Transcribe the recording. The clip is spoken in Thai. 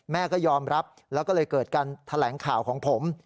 แม่ก็ยอมรับแล้วก็เลยเกิดการแถลงข่าวของผม